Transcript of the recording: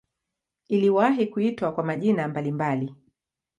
Iliwahi kuitwa kwa majina mbalimbali.